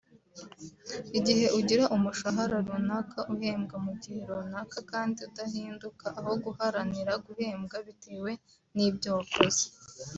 igihe ugira umushahara runaka uhembwa mu gihe runaka kandi udahinduka aho guharanira guhembwa bitewe n’ibyo wakoze